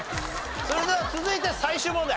それでは続いて最終問題。